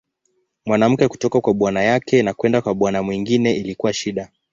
Mwanamke kutoka kwa bwana yake na kwenda kwa bwana mwingine ilikuwa shida.